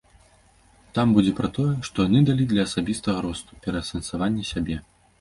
Там будзе пра тое, што яны далі для асабістага росту, пераасэнсавання сябе.